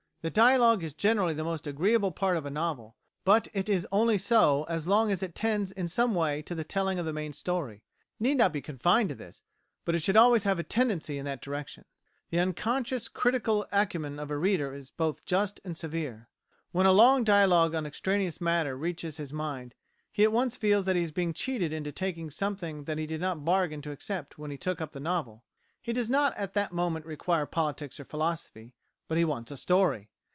The dialogue is generally the most agreeable part of a novel; but it is only so as long as it tends in some way to the telling of the main story. It need not be confined to this, but it should always have a tendency in that direction. The unconscious critical acumen of a reader is both just and severe. When a long dialogue on extraneous matter reaches his mind, he at once feels that he is being cheated into taking something that he did not bargain to accept when he took up the novel. He does not at that moment require politics or philosophy, but he wants a story.